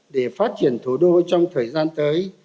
để phát triển thủ đô trong thời gian tới